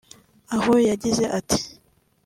Aho yagize ati